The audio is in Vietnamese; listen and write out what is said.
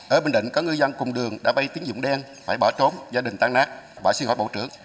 ở bình định có ngư dân cùng đường đã bay tiếng dụng đen phải bỏ trốn gia đình tan nát bỏ xin hỏi bộ trưởng